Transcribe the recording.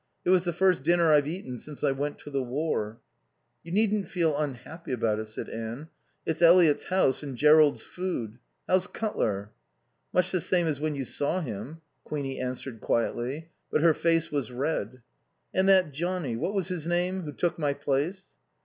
It was the first dinner I've eaten since I went to the war." "You needn't feel unhappy about it," said Anne. "It's Eliot's house and Jerrold's food. How's Cutler?" "Much the same as when you saw him." Queenie answered quietly, but her face was red. "And that Johnnie what was his name? who took my place?"